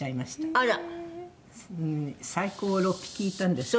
「あら」「最高６匹いたんですけど」